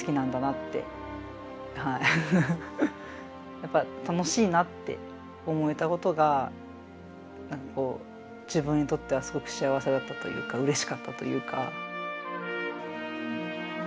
やっぱ楽しいなって思えたことが何かこう自分にとってはすごく幸せだったというかうれしかったというか。